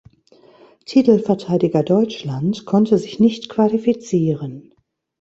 Titelverteidiger Deutschland konnte sich nicht qualifizieren.